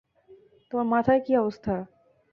তোমার মাথার কী অবস্থা?